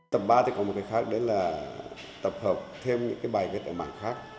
tập ba thì có một cái khác đấy là tập hợp thêm những bài viết ở mạng khác